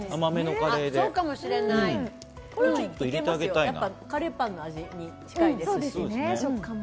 カレーパンの味に近いですね。